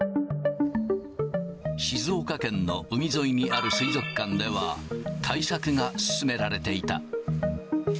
静岡県の海沿いにある水族館では、対策が進められていた。